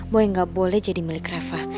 boy gak boleh jadi milik reva